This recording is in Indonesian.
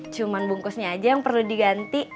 cuma bungkusnya aja yang perlu diganti